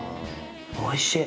おいしい。